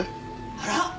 あら？